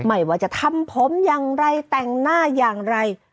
ไม่ว่าจะทำผมอย่างไรแต่งหน้าอย่างไร